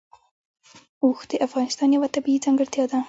اوښ د افغانستان یوه طبیعي ځانګړتیا ده.